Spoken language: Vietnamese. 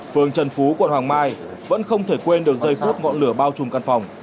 phường trần phú quận hoàng mai vẫn không thể quên được giây phút ngọn lửa bao trùm căn phòng